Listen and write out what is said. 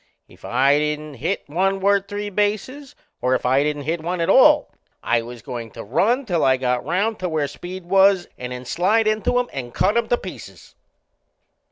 If I didn't hit one worth three bases, or if I didn't hit one at all, I was goin' to run till I got round to where Speed was, and then slide into him and cut him to pieces!